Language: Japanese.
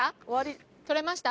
撮れました？